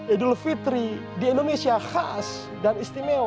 idul fitri di indonesia khas dan istimewa